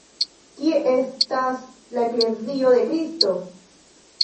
Kie estas la Eklezio de Kristo?.